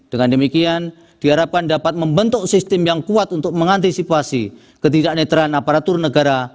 dengan demikian diharapkan dapat membentuk sistem yang kuat untuk mengantisipasi ketidak netraan aparatur negara